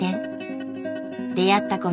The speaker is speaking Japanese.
出会った子